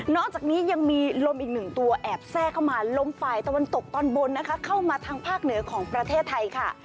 จากนี้ยังมีลมอีกหนึ่งตัวแอบแทรกเข้ามาลมฝ่ายตะวันตกตอนบนนะคะเข้ามาทางภาคเหนือของประเทศไทยค่ะ